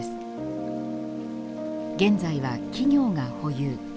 現在は企業が保有。